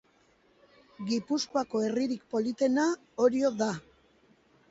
Gipuzkoako herririk politena Orio da.